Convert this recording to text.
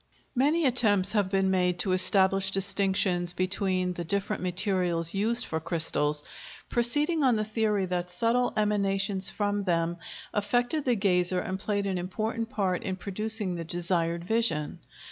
Many attempts have been made to establish distinctions between the different materials used for crystals, proceeding on the theory that subtle emanations from them affected the gazer and played an important part in producing the desired vision.